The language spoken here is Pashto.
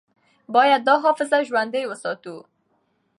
باید دا حافظه ژوندۍ وساتو.